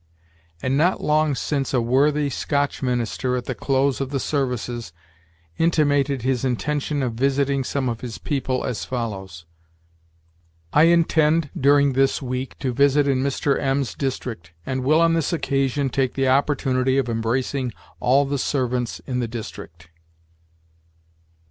And not long since a worthy Scotch minister, at the close of the services, intimated his intention of visiting some of his people as follows: 'I intend, during this week, to visit in Mr. M 's district, and will on this occasion take the opportunity of embracing all the servants in the district.'